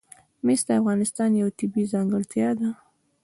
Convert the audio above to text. مس د افغانستان یوه طبیعي ځانګړتیا ده.